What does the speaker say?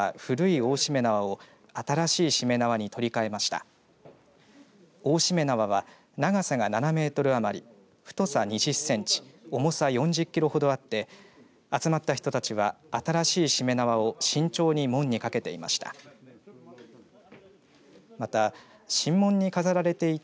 大しめ縄は長さが７メートル余り太さ２０センチ重さ４０キロほどあって集まった人たちは新しいしめ縄を慎重に門にかけていました。